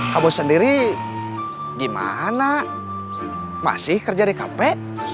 kamu sendiri gimana masih kerja di kafe